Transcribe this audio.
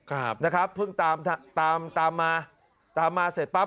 ครับนะครับเพิ่งตามตามตามมาตามมาเสร็จปั๊บ